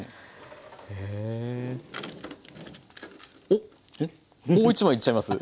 おっもう１枚いっちゃいます？